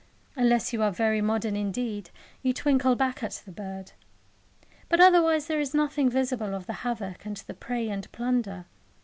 Unless you are very modern indeed, you twinkle back at the bird. But otherwise there is nothing visible of the havoc and the prey and plunder.